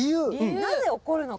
なぜおこるのか。